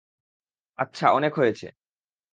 আচ্ছা, অনেক হয়েছে!